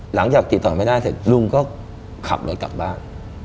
หลังจากติดต่อไม่ได้เสร็จลุงก็ขับรถกลับบ้าน